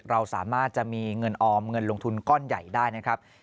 เราสามารถจะมีเงินออมเงินลงทุนก้อนใหญ่ได้นะครับ